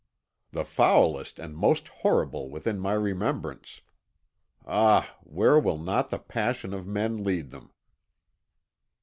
"The foulest and most horrible within my remembrance. Ah! where will not the passions of men lead them?"